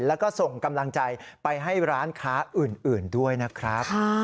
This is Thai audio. แล้วก็ส่งกำลังใจไปให้ร้านค้าอื่นด้วยนะครับ